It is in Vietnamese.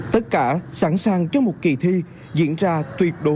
tất cả sẵn sàng cho một kỳ thi diễn ra tuyệt đối an toàn